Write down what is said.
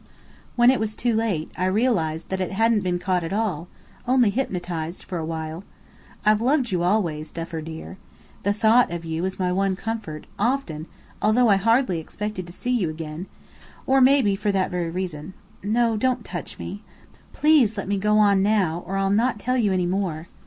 When it was too late, I realised that it hadn't been caught at all. Only hypnotized for a while. I've loved you always, Duffer dear. The thought of you was my one comfort, often, although I hardly expected to see you again: or maybe, for that very reason. No, don't touch me! please let me go on now, or I'll not tell you any more.